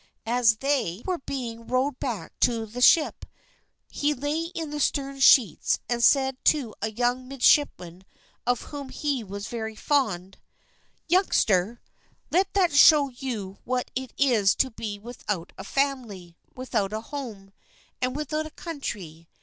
As they were being rowed back to the ship, he lay in the stern sheets and said to a young midshipman of whom he was very fond: "Youngster, let that show you what it is to be without a family, without a home, and without a country.